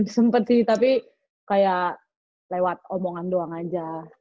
sempet sih tapi kayak lewat omongan doang aja